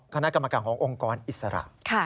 คณะกรรมการขององค์กรอิสระ